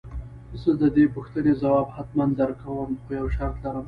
زه دې د دې پوښتنې ځواب حتماً درکوم خو يو شرط لرم.